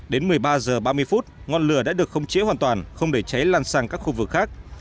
đến một mươi ba h ba mươi phút ngọn lửa đã được khống chế hoàn toàn không để cháy lan sang các khu vực khác